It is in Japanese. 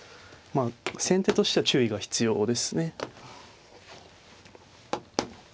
先手としては注意が必要ですね。